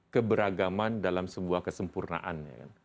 keberagaman dalam sebuah kesempurnaan